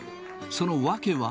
その訳は。